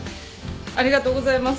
ありがとうございます